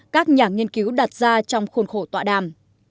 các nhà nghiên cứu đặt ra trong khuôn khổ tọa đàm